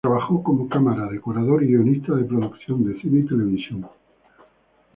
Trabajó como cámara, decorador y guionista de producciones de cine y televisión.